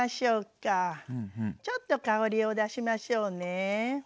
ちょっと香りを出しましょうね。